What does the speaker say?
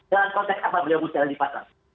dalam konteks apa beliau bisa dipasang